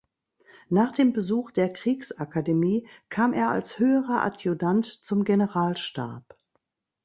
Nach dem Besuch der Kriegsakademie kam er als Höherer Adjutant zum Generalstab.